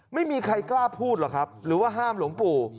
ไม่มีใครกล้าพูดหรอกครับหรือว่าห้ามหลวงปู่